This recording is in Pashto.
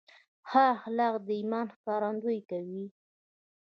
ښه اخلاق د ایمان ښکارندویي کوي.